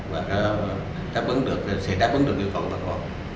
và sẽ đáp ứng được sẽ đáp ứng được yêu cầu của bà con